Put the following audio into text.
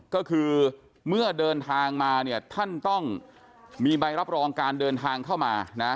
ก็คือเมื่อเดินทางมาเนี่ยท่านต้องมีใบรับรองการเดินทางเข้ามานะ